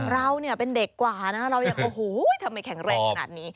เราเป็นเด็กกว่านะเรายังโอ้โหทำไมแข็งแรงกันอันนี้